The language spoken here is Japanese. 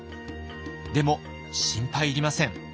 でも心配いりません。